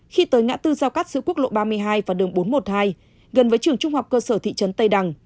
khi tới ngã tư giao cắt giữa quốc lộ ba mươi hai và đường bốn trăm một mươi hai gần với trường trung học cơ sở thị trấn tây đằng